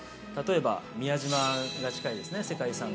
例えば宮島が近いですね